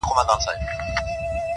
o نورو ته مي شا کړې ده تاته مخامخ یمه.